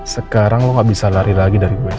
sekarang lo gak bisa lari lagi dari gue